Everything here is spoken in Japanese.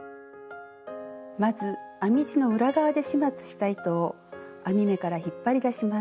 まず編み地の裏側で始末した糸を編み目から引っ張り出します。